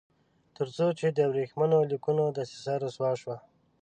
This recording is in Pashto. تر څو چې د ورېښمینو لیکونو دسیسه رسوا شوه.